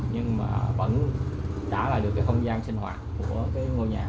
nhưng mà vẫn trả lại được cái không gian sinh hoạt của cái ngôi nhà